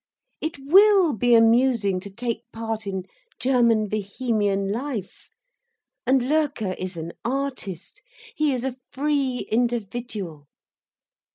It will be amusing to take part in German Bohemian life. And Loerke is an artist, he is a free individual.